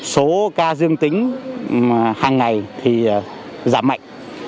số ca dương tính hàng ngày